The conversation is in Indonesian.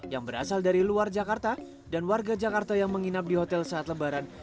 yang berasal dari luar jakarta dan warga jakarta yang menginap di hotel saat lebaran